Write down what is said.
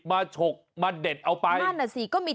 มาชกมาเด็ด